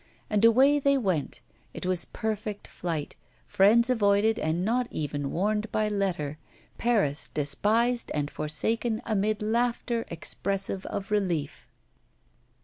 And away they went; it was perfect flight, friends avoided and not even warned by letter, Paris despised and forsaken amid laughter expressive of relief.